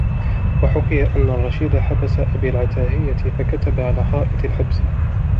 وَحُكِيَ أَنَّ الرَّشِيدَ حَبَسَ أَبِي الْعَتَاهِيَةِ فَكَتَبَ عَلَى حَائِطِ الْحَبْسِ